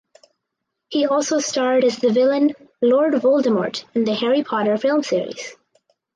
He also starred as the villain Lord Voldemort in the "Harry Potter film series".